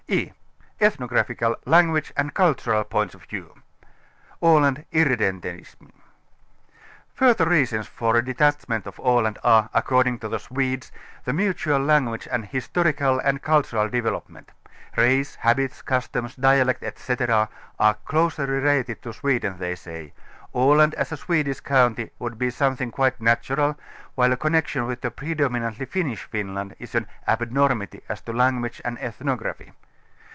e) Ethnographical, Language and Cultural Points of View. A land' Irredentism. 15 Further reasons for a detachment of Aland are, accord ing to the Swedes, the mutual language and historical and cultural developement. Race, habits, customs, dialect etc. are closely related to Sweden, they say; Aland as a Swedish county would be something quite natural, while a connection with the predominantly Finnish Finland is an ŌĆ×abnormity as to language and ethnography."